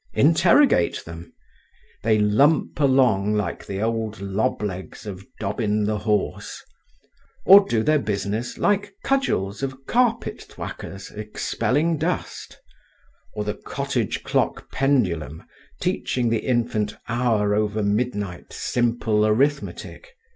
Interrogate them. They lump along like the old loblegs of Dobbin the horse; or do their business like cudgels of carpet thwackers expelling dust or the cottage clock pendulum teaching the infant hour over midnight simple arithmetic.